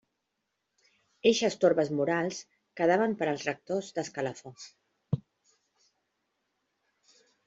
Eixes torbes morals quedaven per als rectors d'escalafó.